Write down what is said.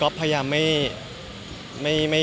พยายามไม่